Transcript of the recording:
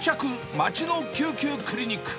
街の救急クリニック。